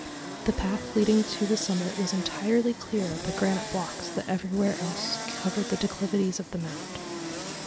The path leading to the summit was entirely clear of the granite blocks that everywhere else covered the declivities of the mound.